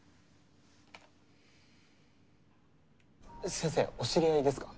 先生お知り合いですか？